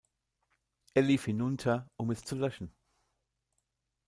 Er lief hinunter, um es zu löschen.